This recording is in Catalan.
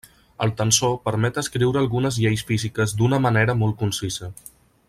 El tensor permet escriure algunes lleis físiques d'una manera molt concisa.